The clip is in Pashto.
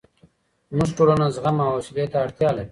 زموږ ټولنه زغم او حوصلې ته اړتیا لري.